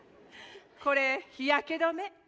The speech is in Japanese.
これ日焼け止め。